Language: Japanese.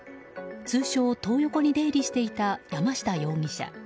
通称トー横に出入りしていた山下容疑者。